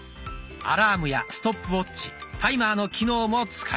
アラームやストップウォッチタイマーの機能も使えます。